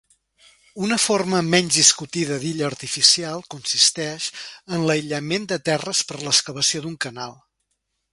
Una forma menys discutida d'illa artificial consisteix en l'aïllament de terres per l'excavació d'un canal.